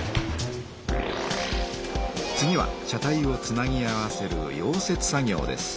次は車体をつなぎ合わせる溶接作業です。